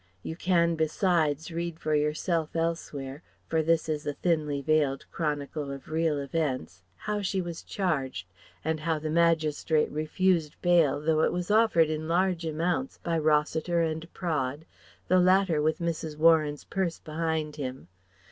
You can, besides, read for yourself elsewhere for this is a thinly veiled chronicle of real events how she was charged, and how the magistrate refused bail though it was offered in large amounts by Rossiter and Praed, the latter with Mrs. Warren's purse behind him.